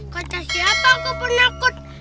kata siapa aku penakut